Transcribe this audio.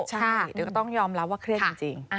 ใช่เดี๋ยวก็ต้องยอมรับว่าเครียดจริง